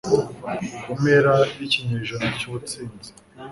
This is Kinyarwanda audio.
Mu mpera zikinyejana cyubusinzi